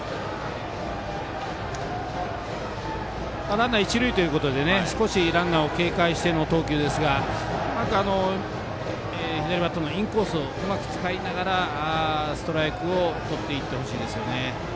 ランナー一塁ということで少しランナーを警戒しての投球ですが左バッターのインコースをうまく使いながらストライクをとっていってほしいですね。